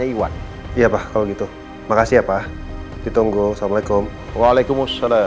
baik kalau gitu saya ketemu lo sekarang saya kesana ya